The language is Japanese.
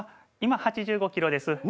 今８５キロです。